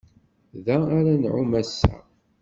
Da ara nɛum ass-a.